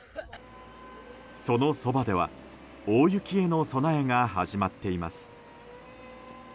そのそばでは大雪への備えが始まっています。